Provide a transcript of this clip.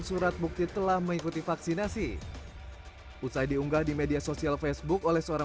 surat bukti telah mengikuti vaksinasi usai diunggah di media sosial facebook oleh seorang